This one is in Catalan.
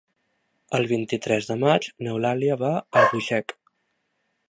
El vint-i-tres de maig n'Eulàlia va a Albuixec.